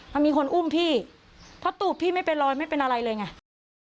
มันมีคนอุ้มพี่เพราะตูบพี่ไม่เป็นรอยไม่เป็นอะไรเลยไง